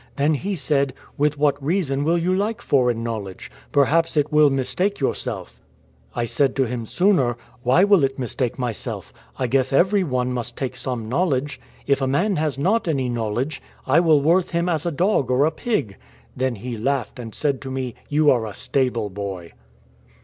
Then he said, ' With what reason will you like foreign knowledge? Perhaps it will mistake your self.' I said to him sooner, ' Why will it mistake my self ? I guess every one must take some knowledge. If a man has not any knowledge, I will worth him as a dog or a pig.' Then he laughed, and said to me, ' You are a stable boy.'